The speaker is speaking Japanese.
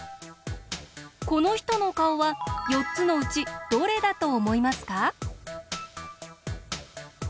このひとのかおは４つのうちどれだとおもいますか？